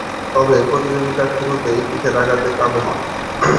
তবে, প্রতিযোগিতার শুরুতেই পিঠের আঘাতে কাবু হন।